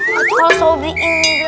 kalau sobrinya gila